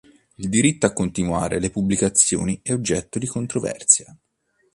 Il diritto a continuare le pubblicazioni è oggetto di controversia